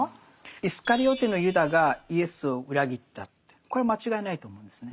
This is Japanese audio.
イスカリオテのユダがイエスを裏切ったってこれは間違いないと思うんですね。